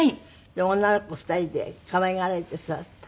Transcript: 女の子２人で可愛がられて育った？